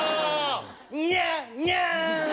ニャーニャー！